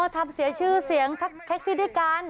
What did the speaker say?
ทำเสียชื่อเสียงแท็กซี่ด้วยกัน